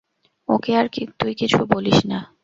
ওকে আর তুই কিছু বলিস না।